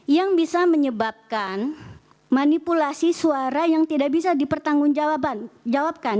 yang bisa menyebabkan manipulasi suara yang tidak bisa dipertanggungjawabkan